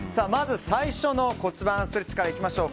最初の骨盤ストレッチからいきましょう。